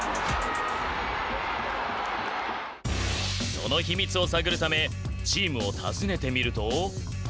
その秘密を探るためチームを訪ねてみると。